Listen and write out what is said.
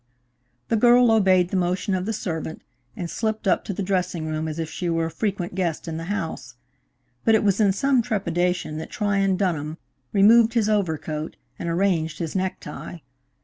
The girl obeyed the motion of the servant and slipped up to the dressing room as if she were a frequent guest in the house, but it was in some trepidation that Tryon Dunham removed his overcoat and arranged his necktie.